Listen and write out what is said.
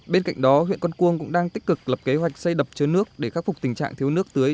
bên cạnh đó huyện con cuông cũng đang tích cực lập kế hoạch xây đập chứa nước để khắc phục tình trạng thiếu nước tưới